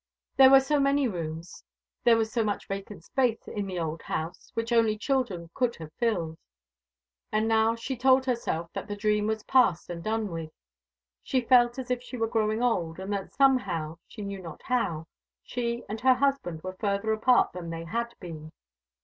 There were so many rooms, there was so much vacant space in the old house which only children could have filled. And now she told herself that the dream was past and done with. She felt as if she were growing old, and that somehow, she knew not how, she and her husband were further apart than they had been.